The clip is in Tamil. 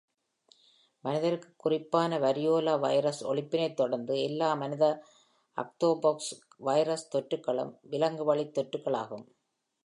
மனிதருக்குக் குறிப்பான வரியோலா வைரஸ் ஒழிப்பினைத் தொடர்ந்து, எல்லா மனித ஆர்தோபாக்ஸ் வைரஸ் தொற்றுகளும் விலங்குவழித் தொற்றுகளாகும்.